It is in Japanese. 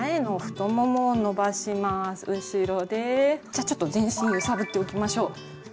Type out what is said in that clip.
じゃあちょっと全身揺さぶっておきましょう。